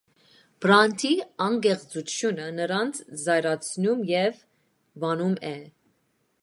Բրանդի անկեղծությունը նրանց զայրացնում և վանում է։